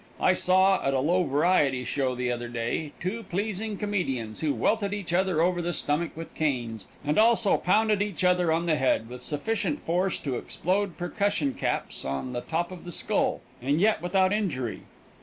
I saw, at a low variety show the other day, two pleasing comedians who welted each other over the stomach with canes, and also pounded each other on the head with sufficient force to explode percussion caps on the top of the skull, and yet without injury.